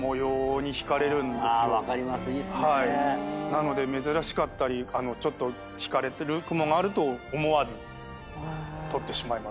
なので珍しかったりちょっと引かれる雲があると思わず撮ってしまいます。